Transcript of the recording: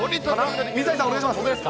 水谷さん、お願いします。